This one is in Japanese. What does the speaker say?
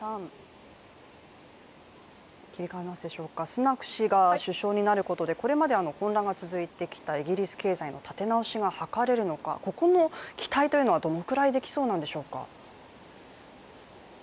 スナク氏が首相になることでこれまで混乱が続いてきたイギリス経済の立て直しが図れるのかここの期待というのはどのくらいできそうなんでしょうか？